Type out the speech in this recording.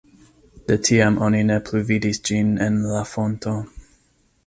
De tiam oni ne plu vidis ĝin en la fonto.